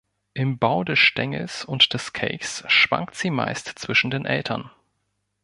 Im Bau des Stängels und des Kelchs schwankt sie meist zwischen den Eltern.